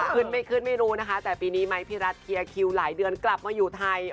ขึ้นไม่ขึ้นไม่รู้นะคะแต่ปีนี้ไม้พี่รัฐเคลียร์คิวหลายเดือนกลับมาอยู่ไทย